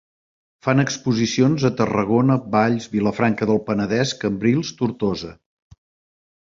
Fan exposicions a Tarragona, Valls, Vilafranca del Penedès, Cambrils, Tortosa.